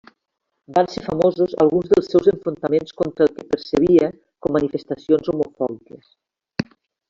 Van ser famosos alguns dels seus enfrontaments contra el que percebia com manifestacions homofòbiques.